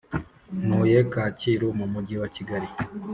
Ntuye kacyiru mu mujyi wa Kigali